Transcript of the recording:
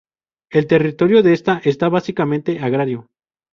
El territorio de esta es básicamente agrario.